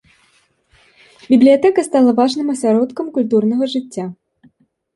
Бібліятэка стала важным асяродкам культурнага жыцця.